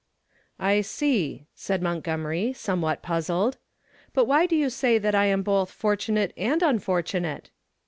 "I see," said Montgomery, somewhat puzzled. "But why do you say that I am both fortunate and unfortunate?"